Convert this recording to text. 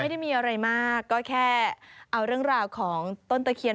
ไม่ได้มีอะไรมากก็แค่เอาเรื่องราวของต้นตะเคียน